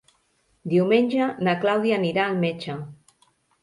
Diumenge na Clàudia anirà al metge.